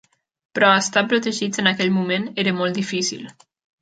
Però estar protegits en aquell moment era molt difícil.